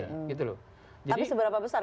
tapi seberapa besar